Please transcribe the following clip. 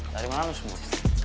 dari mana lo semua